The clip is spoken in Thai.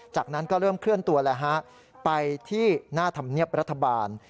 จากนั้นก็เริ่มเคลื่อนตัวแล้วฮะไปที่หน้าธรรมเนียบรัฐบาล